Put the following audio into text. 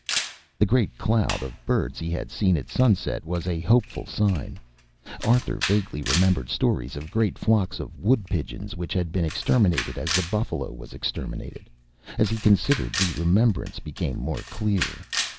The great cloud of birds he had seen at sunset was a hopeful sign. Arthur vaguely remembered stories of great flocks of wood pigeons which had been exterminated, as the buffalo was exterminated. As he considered the remembrance became more clear.